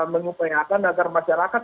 mengupayakan agar masyarakat